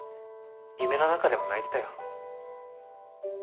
夢の中でも泣いてたよ。